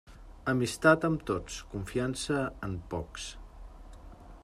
Amistat amb tots, confiança en pocs.